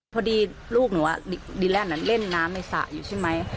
พอดีลูกหนูดีแลนด์เล่นน้ำในสระอยู่ใช่ไหม